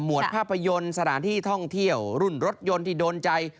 วดภาพยนตร์สถานที่ท่องเที่ยวรุ่นรถยนต์ที่โดนใจ